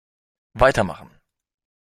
Weitermachen!